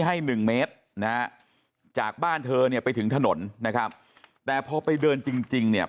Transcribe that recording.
ให้หนึ่งเมตรนะฮะจากบ้านเธอเนี่ยไปถึงถนนนะครับแต่พอไปเดินจริงจริงเนี่ย